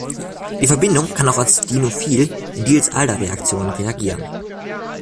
Die Verbindung kann auch als Dienophil in Diels-Alder-Reaktionen reagieren.